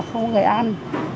không có người ăn